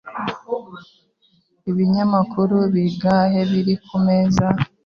Ibinyamakuru bingahe biri kumeza?